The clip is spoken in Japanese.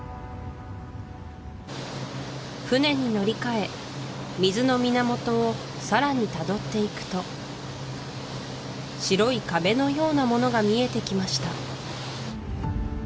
船に乗り換え水の源をさらに辿っていくと白い壁のようなものが見えてきました